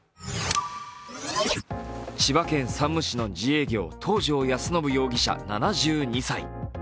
千葉県山武市の自営業、東條安伸容疑者７２歳。